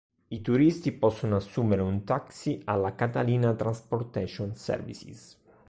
I turisti possono assumere un taxi alla Catalina Transportation Services.